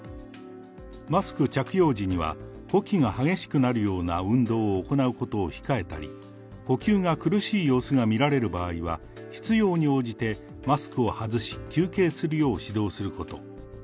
マスク着用時には呼気が激しくなるような運動を行うことを控えたり、呼吸が苦しい様子が見られる場合は、必要に応じてマスクを外し、休憩するよう指導すること。